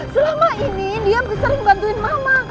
selama ini dia sering bantuin mama